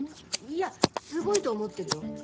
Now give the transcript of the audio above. いやすごいと思ってるよ。